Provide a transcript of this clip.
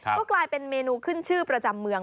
ก็กลายเป็นเมนูขึ้นชื่อประจำเมือง